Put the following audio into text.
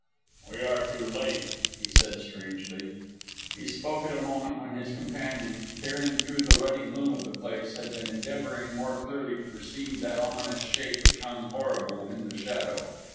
"We are too late!" he said strangely. He spoke at a moment when his companion, peering through the ruddy gloom of the place, had been endeavouring more clearly to perceive that ominous shape which hung, horrible, in the shadow.